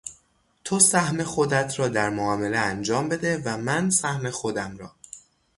تو سهم خودت را در معامله انجام بده و من سهم خودم را.